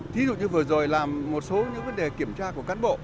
thí dụ như vừa rồi làm một số những vấn đề kiểm tra của cán bộ